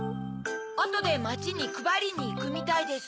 あとでまちにくばりにいくみたいです。